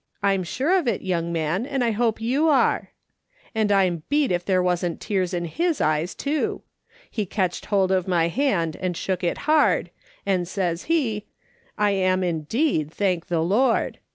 I'm sure of it, young man, and I do hope you are.' 32 MRS. SOLOMON SMITH LOOKING ON. And I'm beat if there wasn't tears in his eyes too. He catched hold of my hand and shook it hard, and says he :"' I am indeed, thank the Lord.'